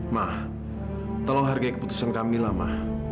ma tolong hargai keputusan kamila ma